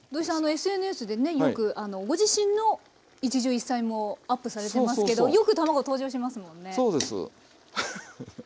ＳＮＳでねよくご自身の一汁一菜もアップされてますけどよく卵登場しますもんね